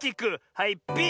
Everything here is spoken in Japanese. はいピッ！